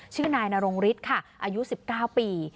ชื่อนายนรงฤทธิ์ค่ะอายุ๑๙ปี